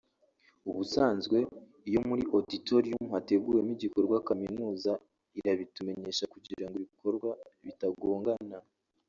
ubusanzwe iyo muri Auditorium hateguwemo igikorwa Kaminuza irabitumenyesha kugira ngo ibikorwa bitagongana